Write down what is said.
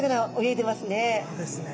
そうですね。